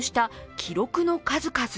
記録の数々。